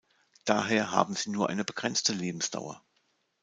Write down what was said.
Daher haben sie nur eine begrenzte Lebensdauer.